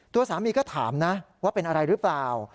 ตัวสามีก็ถามนะว่าเป็นอะไรหรือเปล่า